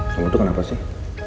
kamu tuh kenapa sih